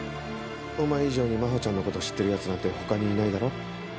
お前以上に真帆ちゃんのことを知ってるヤツなんて他にいないだろ？